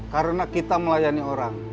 karena kita melayani orang